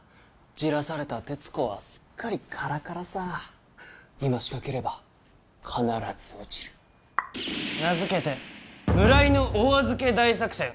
じらされた鉄子はすっかりカラカラさ今仕掛ければ必ず落ちる名づけて村井のお預け大作戦